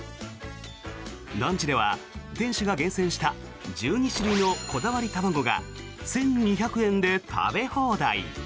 ランチでは、店主が厳選した１２種類のこだわり卵が１２００円で食べ放題。